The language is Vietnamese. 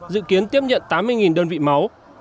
dự kiến tiếp nhận tám mươi đơn vị máu